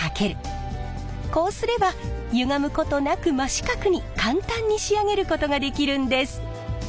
こうすればゆがむことなく真四角に簡単に仕上げることができるんです。